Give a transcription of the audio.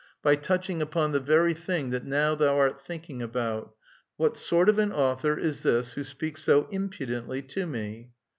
By touching upon the very thing that now thou art thinking . about. " What sort of an author is this who speaks so impu fiently to me